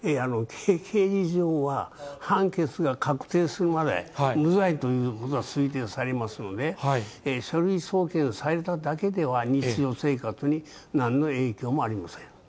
けいじ上は判決が確定するまで、無罪ということは推定されますので、書類送検されただけでは、日常生活になんの影響もありません。